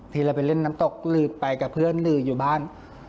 ที่เราไปเล่นน้ำตกหรือไปกับเพื่อนหรืออยู่บ้าน